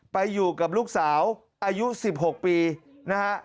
ไปอยู่กับลูกสาวอายุ๑๖ปีนะฮะ